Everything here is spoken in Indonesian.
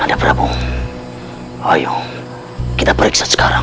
tanda prabu ayo kita periksa sekarang